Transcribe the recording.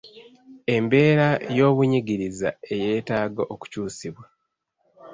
Embeera y’obunyigiriza eyeetaaga okukyusibwa